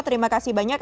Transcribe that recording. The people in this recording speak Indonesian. terima kasih banyak